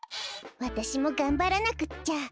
わたしもがんばらなくっちゃ。